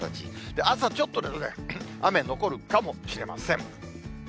朝、ちょっと雨残るかもしれません。